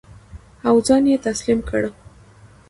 او ځان یې تسلیم کړ.